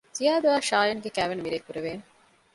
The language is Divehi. ޒިޔާދު އާއި ޝާޔަން ގެ ކައިވެނި މިރޭ ކުރެވޭނެ